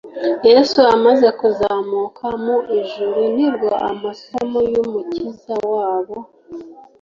Yesu amaze kuzamurwa mu ijuru, nibwo amasomo y'Umukiza wa bo